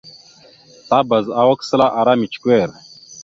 Tabaz awak səla ara micəkœr.